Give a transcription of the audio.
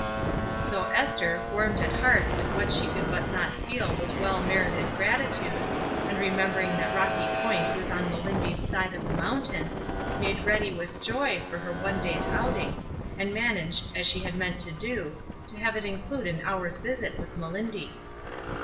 So Esther, warmed at heart with what she could not but feel was well merited gratitude, and re membering that Rocky Point was on Melindy's side of the mountain, made ready with joy for her one day's outing, and managed, as she had meant to do, to have it include an hour's visit with Melindy.